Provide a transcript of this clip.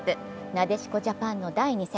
なでしこジャパンの第２戦。